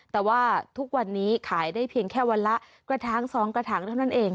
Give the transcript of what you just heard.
แต่ว่าทุกวันนี้ขายได้เพียงแค่วันละกระถาง๒กระถางเท่านั้นเอง